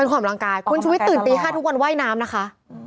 เป็นคนออกกำลังกายคุณชูวิทตื่นปี๕ทุกวันว่ายน้ำนะคะ